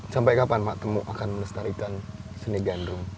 sampai kapan pak temu akan melestarikan seni gandrung